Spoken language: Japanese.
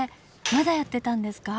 まだやってたんですか？